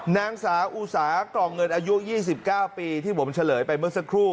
นางสาอุสากล่องเงินอายุ๒๙ปีที่ผมเฉลยไปเมื่อสักครู่